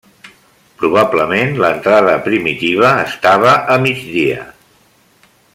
Probablement l'entrada primitiva estava a migdia.